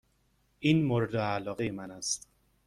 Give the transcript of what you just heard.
این مورد علاقه من است.